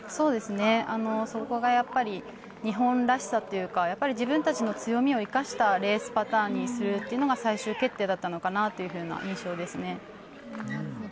そこがやっぱり日本らしさというか自分たちの強みを生かしたレースパターンにするというのが最終決定だったのかなという印象ですね。